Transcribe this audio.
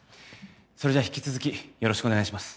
それじゃあ引き続きよろしくお願いします。